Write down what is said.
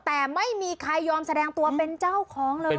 แต่ไม่มีใครยอมแสดงตัวเป็นเจ้าของเลย